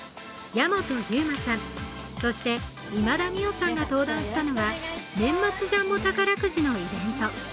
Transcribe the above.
矢本悠馬さんそして今田美桜さんが登壇したのは、年末ジャンボ宝くじのイベント。